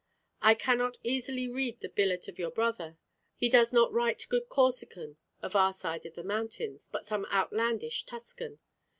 I cannot easily read the billet of your brother. He does not write good Corsican of our side of the mountains, but some outlandish Tuscan.